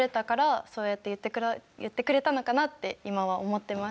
そうやって言ってくれたのかなって今は思ってます。